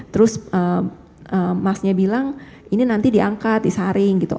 terus masnya bilang ini nanti diangkat disaring gitu